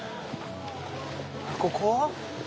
ここは？